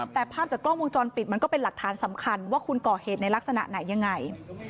แต่ภาพจากกล้องวงจรปิดมันก็เป็นหลักฐานสำคัญว่าคุณก่อเหตุในลักษณะไหนยังไง